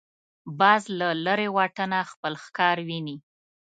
باز له لرې واټنه خپل ښکار ویني